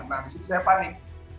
nah disitu saya panik